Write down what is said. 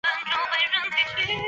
它拥有阿海珐。